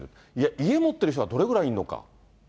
家持ってる人がどれぐらいいるのか。